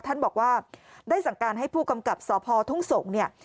ท่านบอกว่าได้สั่งการให้ผู้กำกับสพทุ่งสงศ์เนี่ย